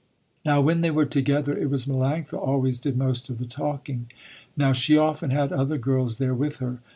Now when they were together, it was Melanctha always did most of the talking. Now she often had other girls there with her.